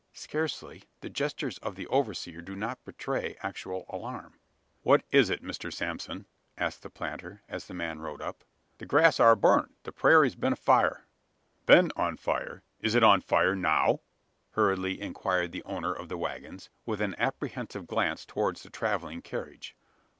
Scarcely: the gestures of the overseer do not betray actual alarm. "What is it, Mr Sansom?" asked the planter, as the man rode up. "The grass air burnt. The prairy's been afire." "Been on fire! Is it on fire now?" hurriedly inquired the owner of the waggons, with an apprehensive glance towards the travelling carriage.